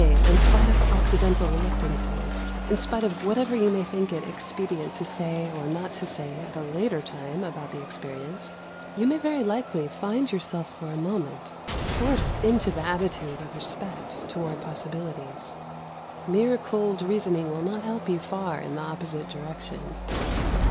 in spite of Occidental reluctances, — in spite of whatever you may think it expedient to say or not to say at a later time about the experience, — you may very likely find yourself for a moment forced into 363 JAPAN the attitude of respect toward possibilities. Mere cold reasoning will not help you far in the opposite direction.